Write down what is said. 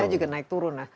rupiah juga naik turun lah